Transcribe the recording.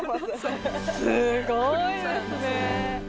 すごいですね。